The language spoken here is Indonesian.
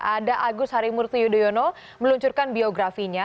ada agus harimurti yudhoyono meluncurkan biografinya